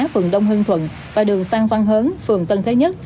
phường đông hưng thuận và đường phan văn hớn phường tân thế nhất